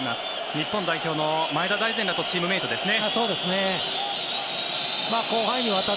日本代表の前田大然らとチームメートですね。